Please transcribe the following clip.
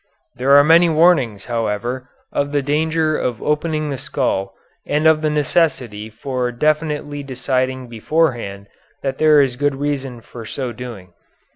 There are many warnings, however, of the danger of opening the skull and of the necessity for definitely deciding beforehand that there is good reason for so doing.